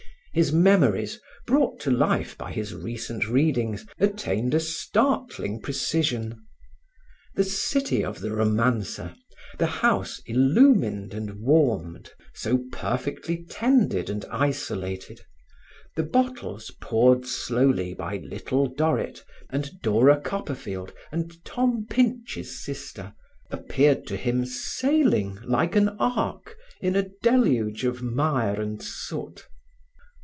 His memories, brought to life by his recent readings, attained a startling precision. The city of the romancer, the house illumined and warmed, so perfectly tended and isolated, the bottles poured slowly by little Dorrit and Dora Copperfield and Tom Pinch's sister, appeared to him sailing like an ark in a deluge of mire and soot.